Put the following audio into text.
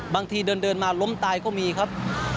บางทีเดินมาล้มตายก็มีครับ